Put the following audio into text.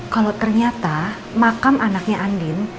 kalau ternyata makam anaknya andin